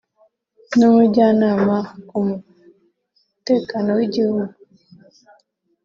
n’Umujyanama ku mutekano w’Igihugu